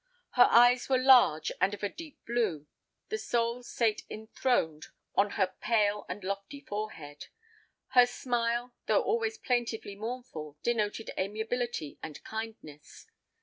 Her eyes were large and of a deep blue: the soul sate enthroned on her pale and lofty forehead;—her smile, though always plaintively mournful, denoted amiability and kindness.